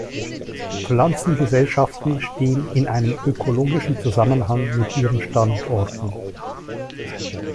Pflanzengesellschaften stehen in einem ökologischen Zusammenhang mit ihren Standorten.